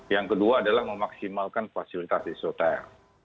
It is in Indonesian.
yang kedua adalah memaksimalkan fasilitas isoter